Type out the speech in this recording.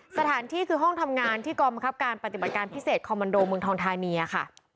สถานที่คือห้องทำงานที่กองบังคับการปฏิบัติการพิเศษคอมมันโดเมืองทองธานีค่ะ